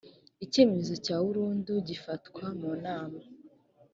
icyemezo cya urundu gifatwa munama